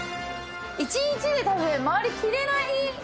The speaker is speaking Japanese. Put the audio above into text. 一日でたぶん回りきれない。